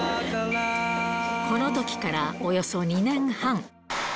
このときからおよそ２年半。